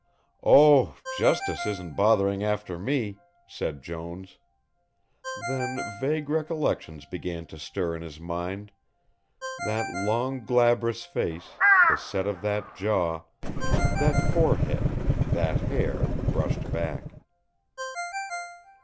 "Oh, Justice isn't bothering after me," said Jones Then vague recollections began to stir in his mind, that long glabrous face, the set of that jaw, that forehead, that hair, brushed back.